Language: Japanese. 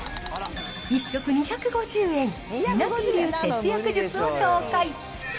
１食２５０円、りなてぃ流節約術を紹介。